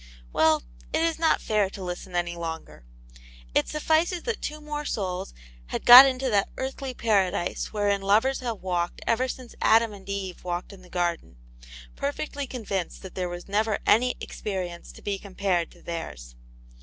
Well, it is not fair to listen any longer. It sufficeat that two more souls had got into that earthly para dise wherein lovers have walked ever since Adam and Eve walked in the garden, perfectly convinced that there never was any experience to be compared to tlieirs.